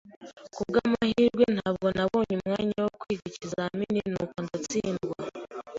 Kubwamahirwe, ntabwo nabonye umwanya wo kwiga ikizamini, nuko ndatsindwa.